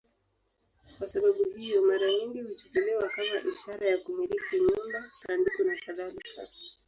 Kwa sababu hiyo, mara nyingi huchukuliwa kama ishara ya kumiliki nyumba, sanduku nakadhalika.